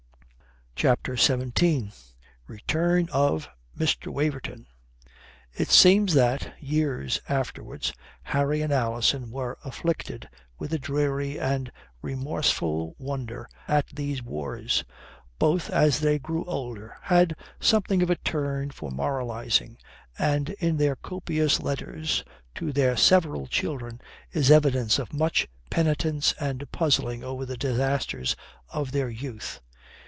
CHAPTER XVII RETURN OF MR. WAVERTON It seems that, years afterwards, Harry and Alison were afflicted with a dreary and remorseful wonder at these wars. Both, as they grew older, had something of a turn for moralising, and in their copious letters to their several children is evidence of much penitence and puzzling over the disasters of their youth.